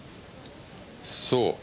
そう。